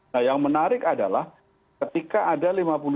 nah yang menarik adalah ketika ada lima puluh enam